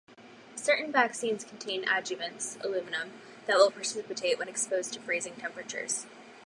Certain vaccines contain adjuvants (aluminum) that will precipitate when exposed to freezing temperatures.